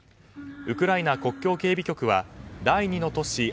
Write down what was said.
ウクライナ国境警備局は第２の都市